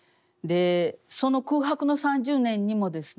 その空白の３０年にもですね